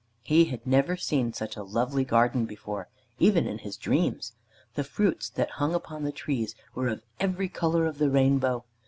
He had never seen such a lovely garden before, even in his dreams. The fruits that hung upon the trees were of every color of the rainbow.